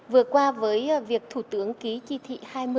vừa qua với việc thủ tướng ký chi thị hai mươi